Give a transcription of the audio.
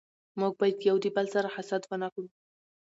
موږ بايد يو دبل سره حسد و نه کړو